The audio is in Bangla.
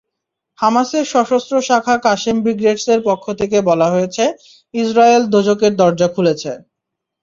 হামাসের সশস্ত্র শাখা কাশেম ব্রিগেডসের পক্ষ থেকে বলা হয়েছে, ইসরায়েল দোজখের দরজা খুলেছে।